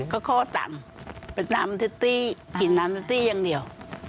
ก็โคตรต่ำเป็นน้ำทิศตี้กลิ่นน้ำทิศตี้อย่างเดียว